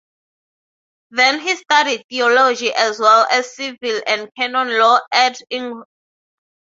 Then he studied theology as well as civil and canon law at Ingolstadt.